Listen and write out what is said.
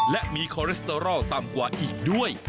และมีคอเรสเตอรอลต่ำกว่าอีกด้วย